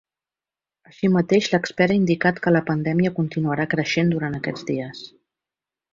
Així mateix, l’expert ha indicat que la pandèmia continuarà creixent durant aquests dies.